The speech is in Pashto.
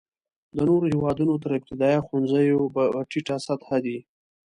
د نورو هېوادونو تر ابتدایه ښوونځیو په ټیټه سطحه دی.